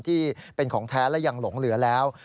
ที่เป็นของแท้และยังหลงเหลือแล้ว